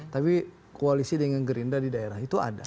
tapi koalisi dengan gerindra di daerah itu ada